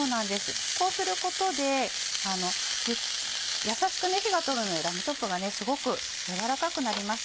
こうすることでやさしく火が通るのでラムチョップがすごく軟らかくなります。